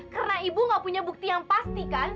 karena ibu nggak punya bukti yang pasti kan